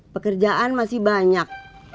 pekerjaan masih banyak